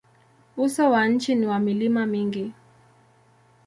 Uso wa nchi ni wa milima mingi.